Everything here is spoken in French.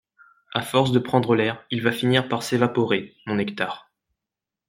À force de prendre l’air, il va finir par s’évaporer, mon nectar.